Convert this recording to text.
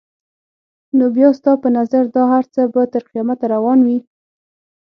نو بیا ستا په نظر دا هر څه به تر قیامته روان وي؟